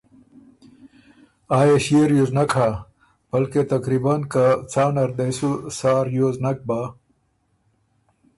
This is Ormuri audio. آ يې ݭيې ریوز نک هۀ بلکې تقریباً که څان نر دې سو سا ریوز نک بَۀ